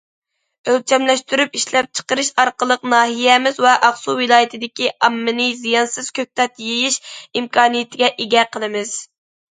ئۆلچەملەشتۈرۈپ ئىشلەپچىقىرىش ئارقىلىق ناھىيەمىز ۋە ئاقسۇ ۋىلايىتىدىكى ئاممىنى زىيانسىز كۆكتات يېيىش ئىمكانىيىتىگە ئىگە قىلىمىز.